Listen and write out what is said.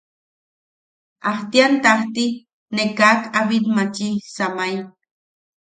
Ajtian taajti ne kaak aa bitmachi, samai.